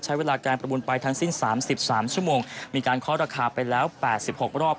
ใช้เวลาการประมูลไปทันสิ้นสามสิบสามชั่วโมงมีการเคาะราคาไปแล้วแปดสิบหกรอบ